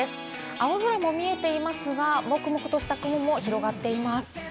青空も見えていますが、もくもくとした雲も広がっています。